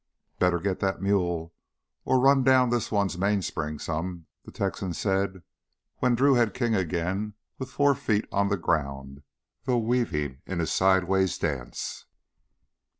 "Better git that mule or run down this one's mainspring some," the Texan said when Drew had King again with four feet on the ground, though weaving in a sideways dance.